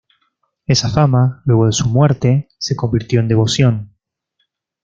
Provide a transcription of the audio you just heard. Esa fama, luego de su muerte, se convirtió en devoción.